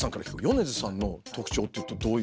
米津さんの特徴ってどういう？